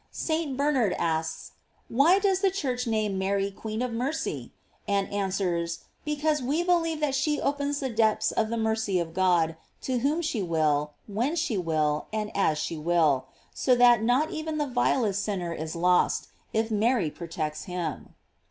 St. Bernard asks, Why does the Church name Mary Queen of Mercy f and answers, Because we believe that she opens the depths of the mercy of God, to whom she will, when she will, and as she will; so that not even the vilest sinner is lost, if Mary protects him.